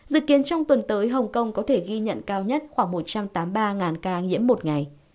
dự kiến trong tuần tới hồng kông có thể ghi nhận cao nhất khoảng một trăm tám mươi ba ca nhiễm một ngày